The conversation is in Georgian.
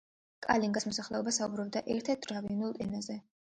კალინგას მოსახლეობა საუბრობდა ერთ-ერთ დრავიდულ ენაზე.